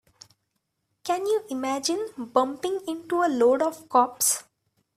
Can you imagine bumping into a load of cops?